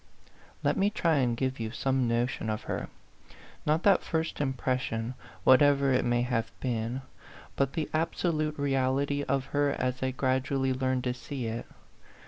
Let me try and give you some notion of her : not that first impression, whatever it may have been, but the absolute reality of her as I gradually learned to see it.